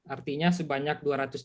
artinya sebanyak dua ratus tiga puluh